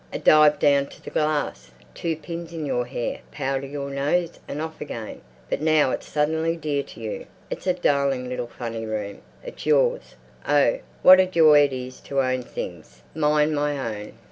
A dive down to the glass, two pins in your hair, powder your nose and off again. But now—it's suddenly dear to you. It's a darling little funny room. It's yours. Oh, what a joy it is to own things! Mine—my own!